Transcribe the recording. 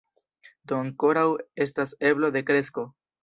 Do ankoraŭ estas eblo de kresko.